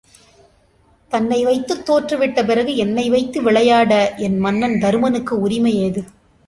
தன்னை வைத்துத் தோற்றுவிட்ட பிறகு என்னை வைத்து விளையாட என் மன்னன் தருமனுக்கு உரிமை ஏது?